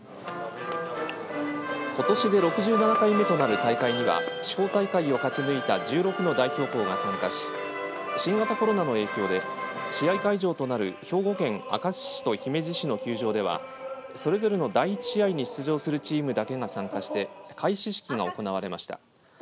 ことしで６７回目となる大会には地方大会を勝ち抜いた１６の代表校が参加し新型コロナの影響で試合会場となる兵庫県明石市と姫路市の球場ではそれぞれの第１試合に出場するチームだけが参加して開始式が行われました。